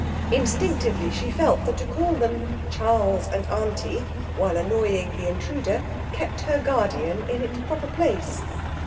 Instinctively she felt that to call them 'Charles and Aunty', while annoying the intruder, kept her guardian in his proper place.